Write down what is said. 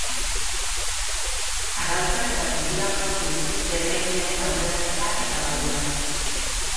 Arrautzak eta pintura jaurti dituzte eraikinaren aurrealdera eta barrura.